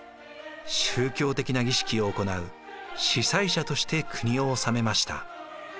宗教的な儀式を行う司祭者として国を治めました。